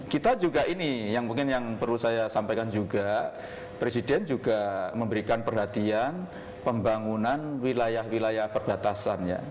kita juga ini yang mungkin yang perlu saya sampaikan juga presiden juga memberikan perhatian pembangunan wilayah wilayah perbatasan